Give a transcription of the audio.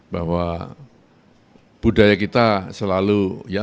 bahwa budaya kita selalu ya